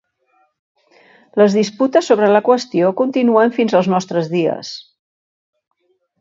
Les disputes sobre la qüestió continuen fins als nostres dies.